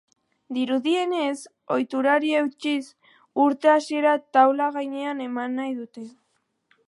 Dirudienez, ohiturari eutsiz, urte hasiera taula gainean eman nahi dute.